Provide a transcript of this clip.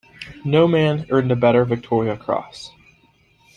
No man earned a better Victoria Cross.